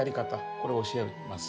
これを教えます。